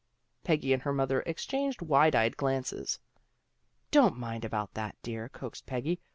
Peggy and her mother exchanged wide eyed glances. " Don't mind about that, dear," coaxed Peggy.